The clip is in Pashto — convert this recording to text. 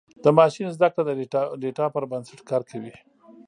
د ماشین زدهکړه د ډیټا پر بنسټ کار کوي.